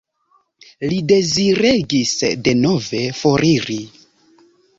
Li deziregis denove foriri.